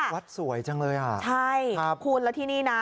วัดสวยจังเลยอ่ะใช่ครับคุณแล้วที่นี่นะ